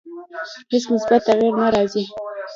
هیڅ مثبت تغییر نه راځي.